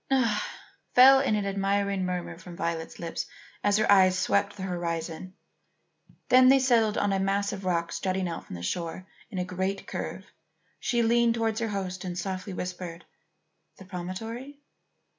"Ah!" fell in an admiring murmur from Violet's lips as her eyes swept the horizon. Then as they settled on a mass of rock jutting out from the shore in a great curve, she leaned towards her host and softly whispered: "The promontory?"